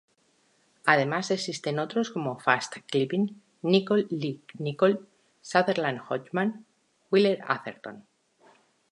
Además existen otros como: Fast-Clipping, Nicholl-Lee-Nicholl, Sutherland-Hodgman, Weiler-Atherton